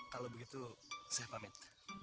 kalau begitu saya pamit